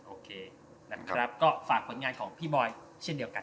โอเคนะครับก็ฝากผลงานของพี่บอยเช่นเดียวกัน